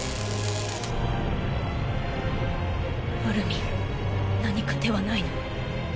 アルミン何か手は無いの？